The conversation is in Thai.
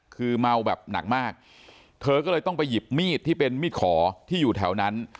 คือเมาแบบหนักมากเธอก็เลยต้องไปหยิบมีดที่เป็นมีดขอที่อยู่แถวนั้น